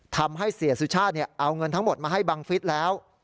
ทำให้เสียสุชาติเอาเงินทั้งหมดมาให้บังฟิศแล้ว